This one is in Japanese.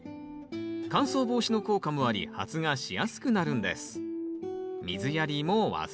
乾燥防止の効果もあり発芽しやすくなるんです。